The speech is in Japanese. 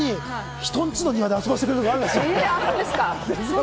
人ん家の庭で遊ばしてくれるところあるんですよ。